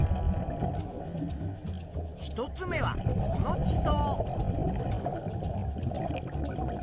１つ目はこの地層。